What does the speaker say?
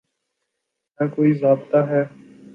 نہ کوئی ضابطہ ہے۔